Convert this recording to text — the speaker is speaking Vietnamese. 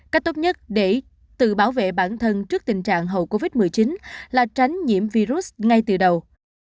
cách tốt nhất để tự bảo vệ bản thân trước tình trạng hậu covid một mươi chín là tránh nhiễm virus ngay từ đầu